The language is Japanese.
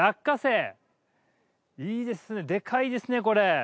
いいですねデカいですねこれ。